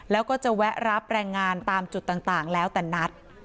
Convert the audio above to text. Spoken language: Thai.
แล้วก็จะแวะรับแรงงานตามจุดต่างแล้วแต่นัด